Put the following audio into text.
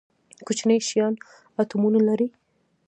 کوچني شیان اتومونه لري